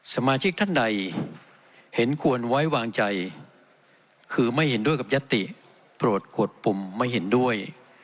สมาชิกท่านใดเห็นควรไว้วางใจคือไม่เห็นด้วยกับยัตติโปรดขวดปุ่มไม่เห็นด้วย